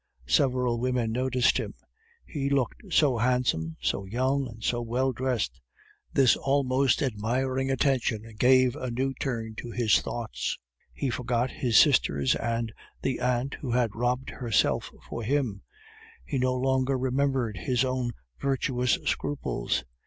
Several women noticed him; he looked so handsome, so young, and so well dressed. This almost admiring attention gave a new turn to his thoughts. He forgot his sisters and the aunt who had robbed herself for him; he no longer remembered his own virtuous scruples.